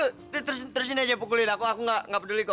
eh temen temen terusin aja pukulin aku aku gak peduli kok